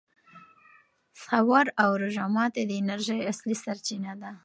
سحور او روژه ماتي د انرژۍ اصلي سرچینه ده.